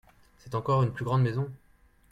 C'est encore une plus grande maison !